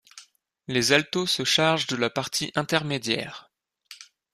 Les altos se chargent de la partie intermédiaire.